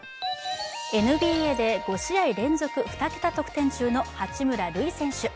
ＮＢＡで５試合連続２桁得点中の八村塁選手。